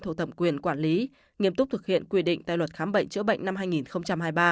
thuộc thẩm quyền quản lý nghiêm túc thực hiện quy định tại luật khám bệnh chữa bệnh năm hai nghìn hai mươi ba